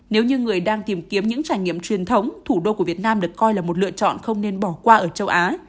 nếu như người đang tìm kiếm những trải nghiệm truyền thống thủ đô của việt nam được coi là một lựa chọn không nên bỏ qua ở châu á